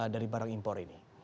dari barang impor ini